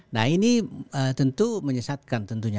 nah ini tentu menyesatkan tentunya